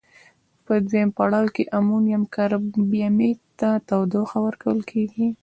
په دویم پړاو کې امونیم کاربامیت ته تودوخه ورکول کیږي.